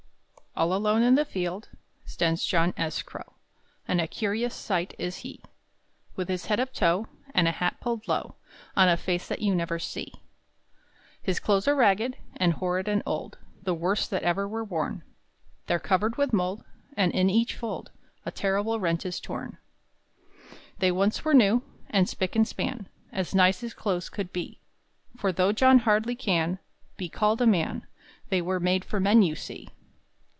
All alone in the field Stands John S. Crow; And a curious sight is he, With his head of tow, And a hat pulled low On a face that you never see. His clothes are ragged And horrid and old, The worst that ever were worn; They're covered with mold, And in each fold A terrible rent is torn. They once were new And spick and span, As nice as clothes could be; For though John hardly can Be called a man, They were made for men you see.